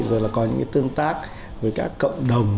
rồi là có những cái tương tác với các cộng đồng